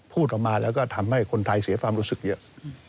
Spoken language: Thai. พูดออกมาแล้วก็ทำให้คนไทยเสียความรู้สึกเยอะ